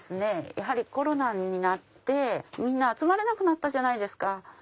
コロナになってみんな集まれなくなったじゃないですか。